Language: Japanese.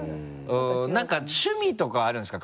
何か趣味とかあるんですか？